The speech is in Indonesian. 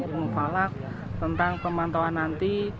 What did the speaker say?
pembelajaran ilmu falak tentang pemantauan nanti